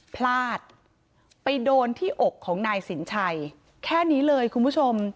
พลาดไปโดนที่อกของนายสินชัยแค่นี้เลยคุณผู้ชม